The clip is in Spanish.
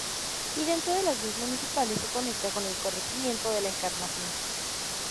Y dentro de las vías municipales, se conecta con el corregimiento de La Encarnación.